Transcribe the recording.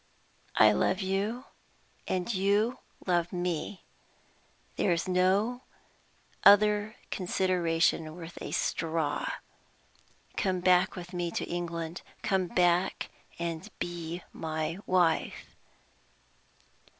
I love you and you love me. There is no other consideration worth a straw. Come back with me to England! come back and be my wife!"